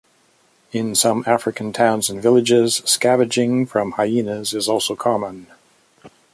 In some African towns and villages, scavenging from hyenas is also common.